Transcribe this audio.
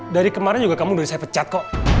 dari kemarin juga kamu dari saya pecat kok